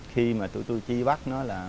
khi mà tụi tôi chi bắt